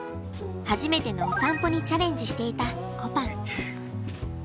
初めてのお散歩にチャレンジしていたこぱん。